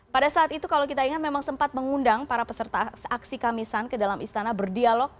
pada saat itu kalau kita ingat memang sempat mengundang para peserta aksi kamisan ke dalam istana berdialog